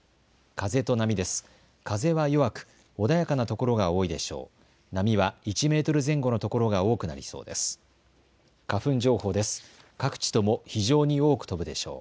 風は弱く穏やかなところが多いでしょう。